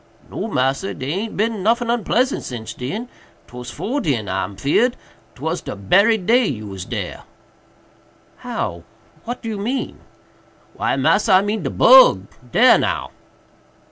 "No, massa, dey aint bin noffin onpleasant since den—'twas 'fore den I'm feared—'twas de berry day you was dare." "How? what do you mean?" "Why, massa, I mean de bug—dare now."